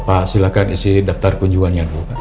bapak silahkan isi daftar kunjuannya dulu pak